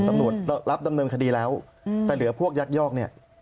ตำรวจรับดำเนินคดีแล้วแต่เหลือพวกยักยอกเนี่ย